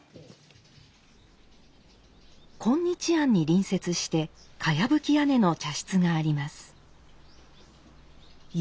今日庵に隣接してかやぶき屋根の茶室があります。